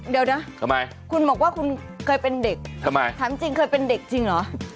เดี๋ยวนะทำไมคุณบอกว่าคุณเคยเป็นเด็กทำไมถามจริงเคยเป็นเด็กจริงเหรอ